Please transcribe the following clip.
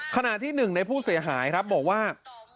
ขณะที่หนึ่งในผู้เสียหายครับบอกว่า